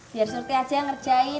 biar surti aja ngerjain